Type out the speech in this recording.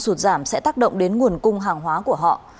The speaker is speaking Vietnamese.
sụt giảm sẽ tác động đến nguồn cung hàng hóa của họ